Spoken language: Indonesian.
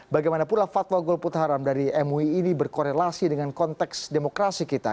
bagaimana pula fatwa golput haram dari mui ini berkorelasi dengan konteks demokrasi kita